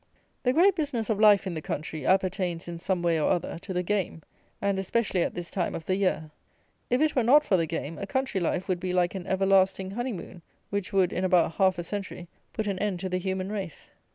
The great business of life, in the country, appertains, in some way or other, to the game, and especially at this time of the year. If it were not for the game, a country life would be like an everlasting honey moon, which would, in about half a century, put an end to the human race.